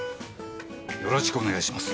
よろしくお願いします。